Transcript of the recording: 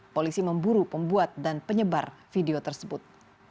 polisi memburu pembuat dan penyebar video tersebut